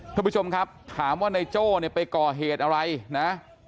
ทุกผู้ชมครับถามว่านายโจ้เนี่ยไปก่อเหตุอะไรนะ